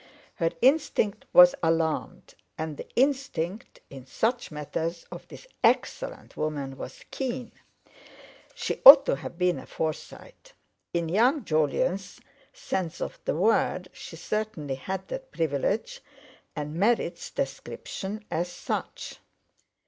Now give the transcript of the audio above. Her instinct was alarmed, and the instinct in such matters of this excellent woman was keen. She ought to have been a Forsyte; in young Jolyon's sense of the word, she certainly had that privilege, and merits description as such.